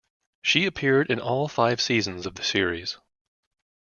She appeared in all five seasons of the series.